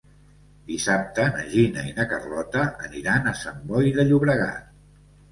Dissabte na Gina i na Carlota aniran a Sant Boi de Llobregat.